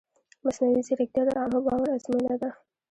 مصنوعي ځیرکتیا د عامه باور ازموینه ده.